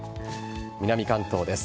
南関東です。